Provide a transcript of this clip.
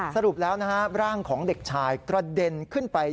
สรุปแล้วนะฮะร่างของเด็กชายกระเด็นขึ้นไป